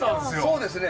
そうですね。